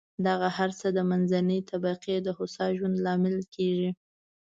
دغه هر څه د منځنۍ طبقې د هوسا ژوند لامل کېږي.